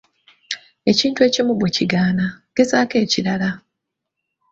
Ekintu ekimu bwe kigaana, gezaako ekirala.